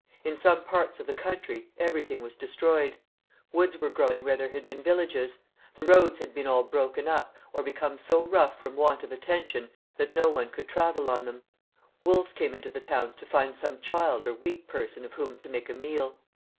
In some parts of the country, everything was destroyed, woods were growing where there had been villages, the roads had been all broken up, or become so 200 CHARLES VIL [CH. 1 I r '■' I rough from want of attention, that no one could travel on them ; wolves came into the towns to try and find some child or weak person of whom to make a meal.